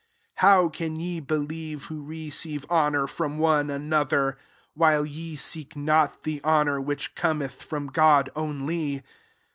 44 How can ye be lieve, who receive honour from one another, while ye seek not the honour which cemeth from God only?